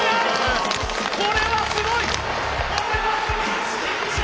これはすごい！